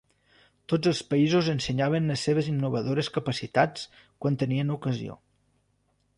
Tots els països ensenyaven les seves innovadores capacitats quan tenien ocasió.